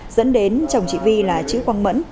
dẫn đến chồng chị vi là chữ quang mẫn